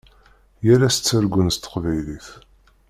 Yal ass ttargun s teqbaylit.